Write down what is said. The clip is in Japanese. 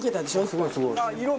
すごいすごい。